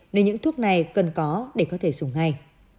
nên những thuốc này cần có để có thể dùng ngay